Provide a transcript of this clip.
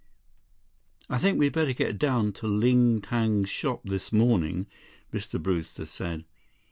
"I think we'd better get down to Ling Tang's shop this morning," Mr. Brewster said.